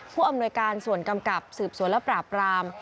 ผู้อำนวยการส่วนกำกับสืบสวนและปราบราม